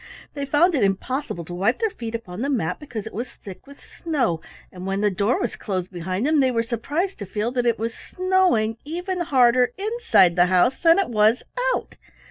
They found it impossible to wipe their feet upon the mat because it was thick with snow, and when the door was closed behind them, they were surprised to feel that it was snowing even harder inside the house than it was out.